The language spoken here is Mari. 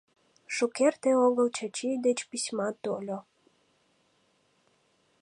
Шукерте огыл Чачи деч письма тольо.